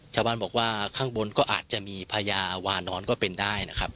ชาวบ้านบอกว่าข้างบนก็อาจจะมีพญาวานอนก็เป็นได้นะครับ